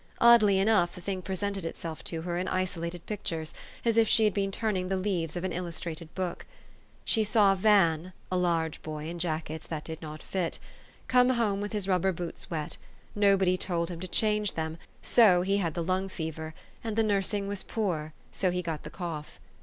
Oddly enough the thing presented itself to her in isolated pictures, as if she had been turning the leaves of an illustrated book. She saw Van a large bo} r in jackets that did not fit coming home 330 THE STORY OF AVIS. with his rubber boots wet: nobody told him to change them, 'so he had the lung fever; and the nursing was poor, so he got the cough.